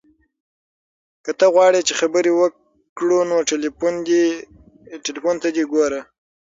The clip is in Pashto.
که ته غواړې چې خبرې وکړو نو تلیفون دې ته وګوره.